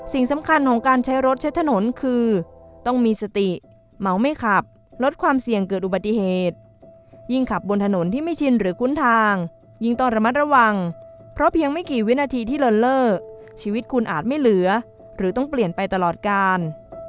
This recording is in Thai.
สิ่งสำคัญของการใช้รถใช้ถนนคือต้องมีสติเมาไม่ขับลดความเสี่ยงเกิดอุบัติเหตุยิ่งขับบนถนนที่ไม่ชินหรือคุ้นทางยิ่งต้องระมัดระวังเพราะเพียงไม่กี่วินาทีที่เลินเล่อชีวิตคุณอาจไม่เหลือหรือต้องเปลี่ยนไปตลอดการ